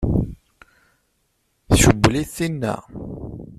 Tcewwel-it tinna?